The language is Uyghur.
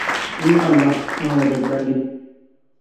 ئى ئاللاھ، ماڭا مەدەت بەرگىن.